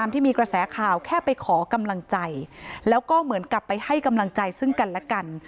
ที่มีกระแสข่าวแค่ไปขอกำลังใจแล้วก็เหมือนกับไปให้กำลังใจซึ่งกันและกัน